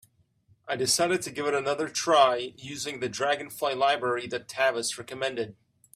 I decided to give it another try, using the Dragonfly library that Tavis recommended.